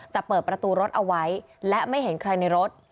แต่เปิดประตูรถเอาไว้และไม่เห็นใครในรถ